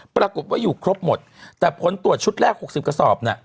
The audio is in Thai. ปรากฏว่าอยู่ครบหมดแต่ผลตรวจชุดแรก๖๐กระสอบน่ะ